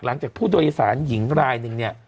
หลังจากผู้โดยสารหญิงรายหนึ่งเนี่ย